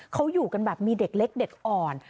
เขาอยู่กันแบบมีเด็กเล็กเด็กอ่อน